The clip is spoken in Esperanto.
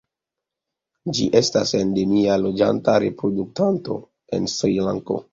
Ĝi estas endemia loĝanta reproduktanto en Srilanko.